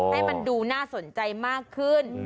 ให้มันดูน่าสนใจมากขึ้น